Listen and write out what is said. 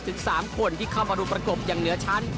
ถึง๓คนที่เข้ามาดูประกบอย่างเหนือชั้น